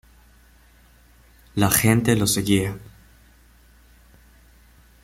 La gente lo seguía.